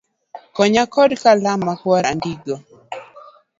Konya kod Kalam makwar andikgo